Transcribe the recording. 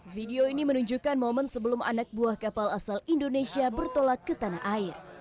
video ini menunjukkan momen sebelum anak buah kapal asal indonesia bertolak ke tanah air